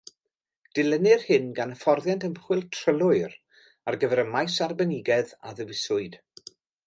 Dilynir hyn gan hyfforddiant ymchwil trylwyr ar gyfer y maes arbenigedd a ddewiswyd.